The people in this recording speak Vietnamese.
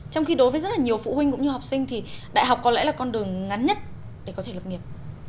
trong khi đối với rất là nhiều phụ huynh cũng như học sinh thì đại học có lẽ là con đường ngắn nhất để có thể lập nghiệp